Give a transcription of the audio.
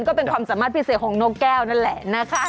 ก็เป็นความสามารถพิเศษของนกแก้วนั่นแหละนะคะ